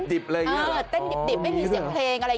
ไม่มีเสียงเพลงอะไรอย่างนี้